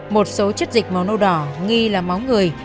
một số chất dịch màu nâu đỏ nghi là máu người